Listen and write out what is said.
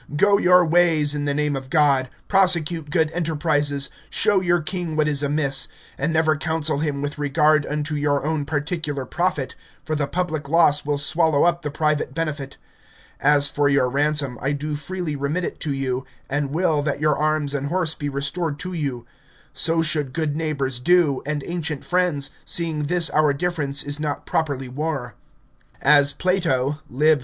Go your ways in the name of God, prosecute good enterprises, show your king what is amiss, and never counsel him with regard unto your own particular profit, for the public loss will swallow up the private benefit. As for your ransom, I do freely remit it to you, and will that your arms and horse be restored to you; so should good neighbours do, and ancient friends, seeing this our difference is not properly war. As Plato, Lib.